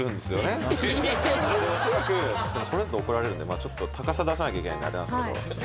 これだと怒られるんで高さ出さなきゃいけないんであれなんですけど。